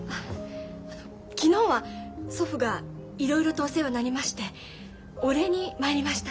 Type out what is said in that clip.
あ昨日は祖父がいろいろとお世話になりましてお礼に参りました。